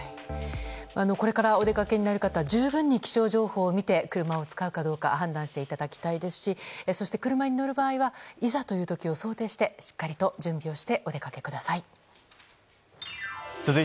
これからお出かけになる方は十分に気象情報を見て車を使うかどうか判断していただきたいですしそして車に乗る場合はいざという時を想定してしっかりと準備をしてお出かけください。